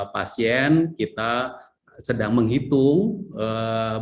pasien kita sedang menghitung pasien